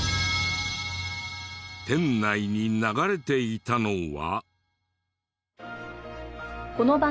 店内に流れていたのは。